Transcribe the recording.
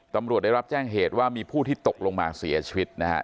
ตำรวจได้รับแจ้งเหตุว่ามีผู้ที่ตกลงมาเสียชีวิตนะฮะ